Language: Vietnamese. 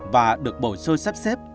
và được bổ xôi sắp xếp